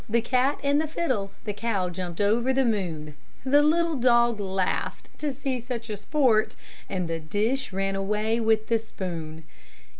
The cat and the fiddle, The cow jumped over the moon; The little dog laughed To see such sport, And the dish ran away with the spoon.